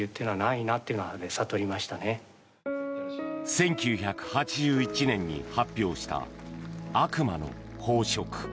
１９８１年に発表した「悪魔の飽食」。